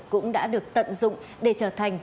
cũng đã được tận dụng để trở thành